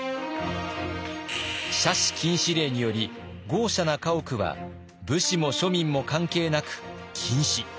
奢侈禁止令により豪奢な家屋は武士も庶民も関係なく禁止。